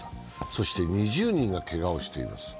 そして２０人がけがをしています。